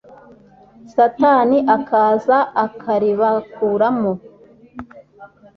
satani akaza akaribakuramo